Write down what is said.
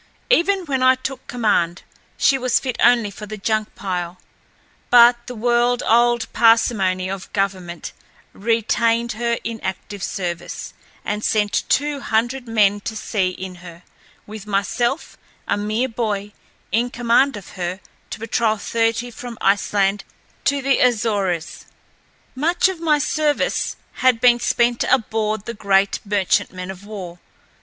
Even when I took command, she was fit only for the junk pile; but the world old parsimony of government retained her in active service, and sent two hundred men to sea in her, with myself, a mere boy, in command of her, to patrol thirty from Iceland to the Azores. Much of my service had been spent aboard the great merchantmen of war.